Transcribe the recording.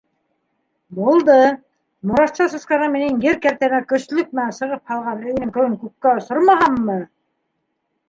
— Булды, Моратша сусҡаның минең ер кәртәмә көслөк менән сығып һалған өйөнөң көлөн күккә осормаһаммы!